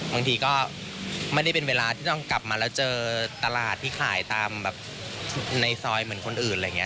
บางทีก็ไม่ได้เป็นเวลาที่ต้องกลับมาแล้วเจอตลาดที่ขายตามแบบในซอยเหมือนคนอื่นอะไรอย่างนี้